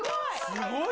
すごい！